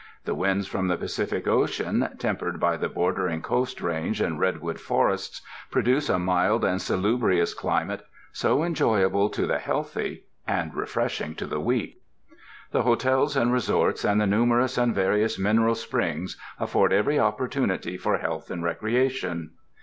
The winds from the Pacific Ocean, tempered by the bordering coast range and redwood forests, produce a mild and salubrious climate so enjoyable to the healthy and refreshing to the weak. The Hotels and Resorts, and the numerous and various mineral springs, afford every opportunity for health and recreation.